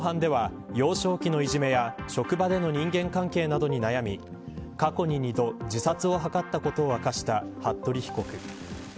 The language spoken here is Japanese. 公判では、幼少期のいじめや職場での人間関係などに悩み過去に２度自殺を図ったことを明かした服部被告。